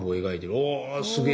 おすげえ。